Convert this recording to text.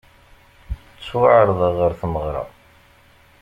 Ttwaɛerḍeɣ ɣer tmeɣra.